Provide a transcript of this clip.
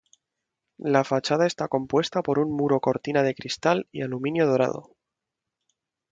La fachada está compuesta por un muro cortina de cristal y aluminio dorado.